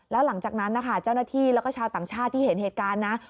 แล้วหลังจากนั้นนะคะเจ้าหน้าที่แล้วก็ชาวต่างชาติที่เห็นเหตุการณ์นะ